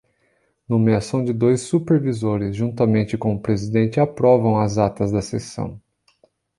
Nomeação de dois supervisores, juntamente com o presidente, aprovam as atas da sessão.